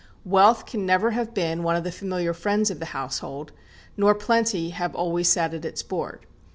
Wealth can never have been one of the familiar friends of the household, nor plenty have always sat at its board.